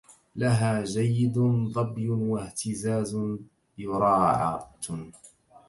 لها جيد ظبي واهتزاز يراعة